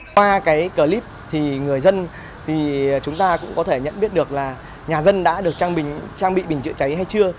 qua clip người dân cũng có thể nhận biết được nhà dân đã được trang bị bình chữa cháy hay chưa